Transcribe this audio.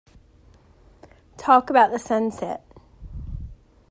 Talk about the sunset.